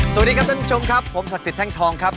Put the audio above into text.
สวัสดีครับท่านผู้ชมครับผมศักดิ์สิทธิแท่งทองครับ